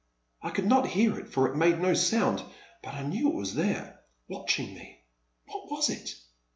I could not hear it, for it made no sound, but I knew it was there, watching me. What was it